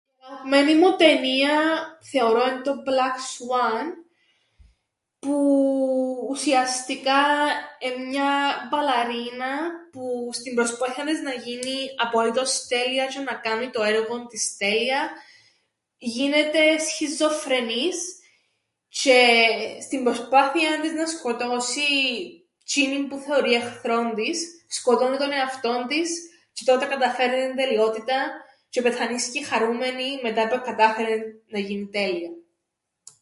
Η αγαπημένη μου ταινία θεωρώ εν' το μπλακ σουάν, που ουσιαστικά εν' μια μπαλαρίνα, που στην προσπάθειαν της να γίνει απολύτως τέλεια τζ̌αι να κάμει το έργον της τέλεια, γίνεται σχιζοφρενής τζ̌αι στην προσπάθειαν της να σκοτώσει τζ̌είνην που θεωρεί εχθρόν της, σκοτώννει τον εαυτόν της, τζ̌αι τότε καταφέρνει την τελειότηταν, τζ̌αι πεθανίσκει χαρούμενη, μετά που εκατάφερεν να γίνει τέλεια.